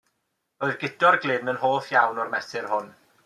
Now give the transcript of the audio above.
Roedd Guto'r Glyn yn hoff iawn o'r mesur hwn.